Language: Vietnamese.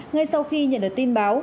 ngay sau khi nhận được tin báo